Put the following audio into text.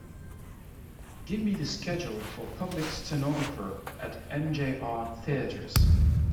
Give me the schedule for Public Stenographer at MJR Theatres